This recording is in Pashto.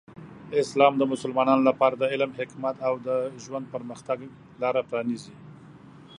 اسلام د مسلمانانو لپاره د علم، حکمت، او د ژوند پرمختګ لاره پرانیزي.